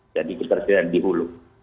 jadi ketersediaan di hulung